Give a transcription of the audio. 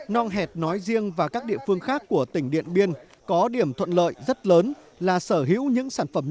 nong hẹt nói riêng và các địa phương khác của tỉnh điện biên có điểm thuận lợi rất lớn là sở hữu những sản phẩm nông thuần mới